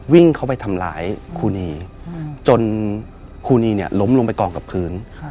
วิ่งเข้าไปทำร้ายคู่นี้จนคู่นี้ล้มลงไปกรองกับพื้น